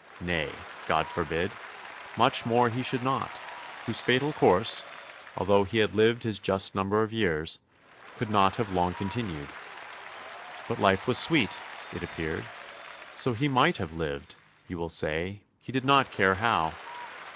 Nay, God forbid, much more he should not, whose fatal course, although he had lived his just number of years, could not have long continued. But life was sweet, it appeared; so he might have lived, you will say, he did [not] care how.